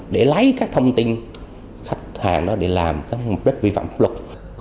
để lấy các thông tin khách hàng đó để làm mục đích vi phạm pháp luật